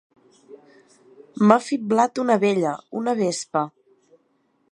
M'ha fiblat una abella, una vespa.